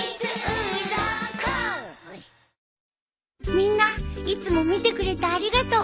みんないつも見てくれてありがとう。